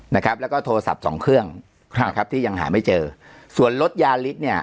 นะครับแล้วก็โทรศัพท์สองเครื่องครับนะครับที่ยังหาไม่เจอส่วนรถยาลิสเนี่ย